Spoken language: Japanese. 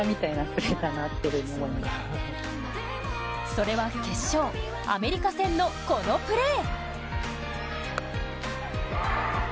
それは決勝、アメリカ戦のこのプレー。